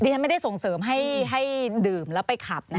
ฉันไม่ได้ส่งเสริมให้ดื่มแล้วไปขับนะ